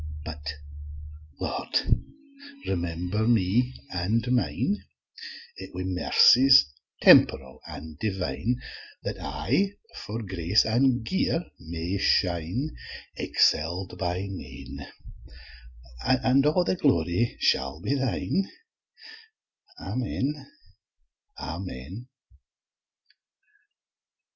But, Lord, remember me an' mine Wi' mercies temp'ral an' divine, That I for grace an' gear may shine, Excell'd by nane, And a' the glory shall be thine, Amen, Amen!